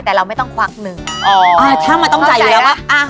แต่เราไม่ต้องควักหนึ่งอ๋ออ่าถ้ามันต้องจ่ายอยู่แล้วป่ะ